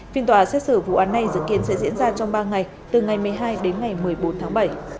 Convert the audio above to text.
phiên tòa xét xử vụ án này dự kiến sẽ diễn ra trong ba ngày từ ngày một mươi hai đến ngày một mươi bốn tháng bảy